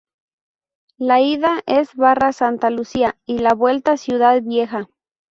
La ida es Barra Santa Lucía y la vuelta Ciudad Vieja.